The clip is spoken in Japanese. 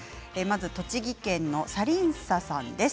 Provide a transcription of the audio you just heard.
栃木県の方からです。